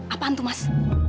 apaan tuh mas